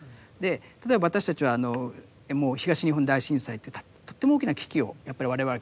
例えば私たちはもう東日本大震災というとっても大きな危機をやっぱり我々経験した。